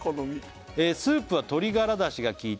「スープは鶏ガラだしが効いた」